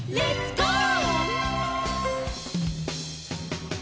「ゴー！」